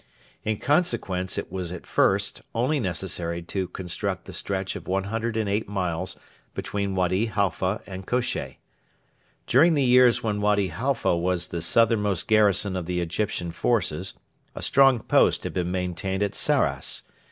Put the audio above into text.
In consequence it was at first only necessary to construct the stretch of 108 miles between Wady Halfa and Kosheh. During the years when Wady Halfa was the southernmost garrison of the Egyptian forces a strong post had been maintained at Sarras.